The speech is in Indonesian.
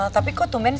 tapi kok tumennya